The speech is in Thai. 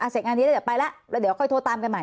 เสร็จงานนี้แล้วเดี๋ยวไปแล้วแล้วเดี๋ยวค่อยโทรตามกันใหม่